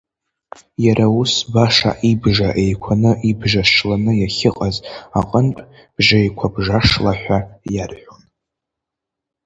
Иара ус баша ибжа еиқәаны, ибжа шланы иахьыҟаз аҟнытә Бжеиқәа-Бжашла ҳәа иарҳәон.